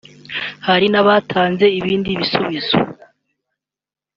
Hari n’abatanze ibindi bisubizo